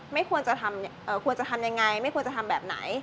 ควรจะทำยังไงไม่ควรจะทำแบบไหน